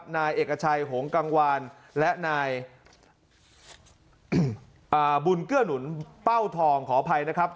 นายเอกชัยหงกังวานและนายบุญเกื้อหนุนเป้าทองขออภัยนะครับ